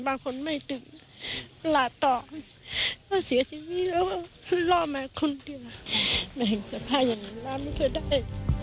แม่แห่งสภาพอย่างนั้นลาไม่เคยได้